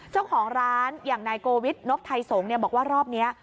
เจ้าของร้านอย่างนายโกวิทนบไทยสงฆ์บอกว่ารอบนี้